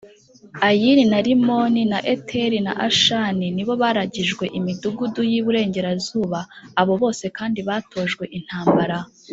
Ayini na Rimoni na Eteri na Ashani nibo baragijwe Imidugudu y’iburengerazuba abo bose kandi batojwe intambara.